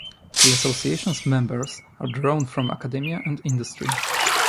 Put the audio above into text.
The association's members are drawn from academia and industry.